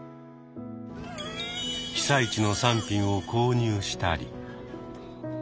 被災地の産品を購入したり。